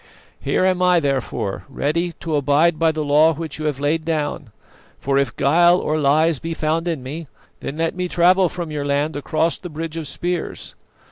Here am I, therefore, ready to abide by the law which you have laid down; for if guile or lies be found in me, then let me travel from your land across the bridge of spears.